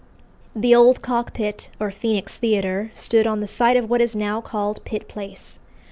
The old Cockpit, or Phœnix Theatre, stood on the site of what is now called Pitt Place.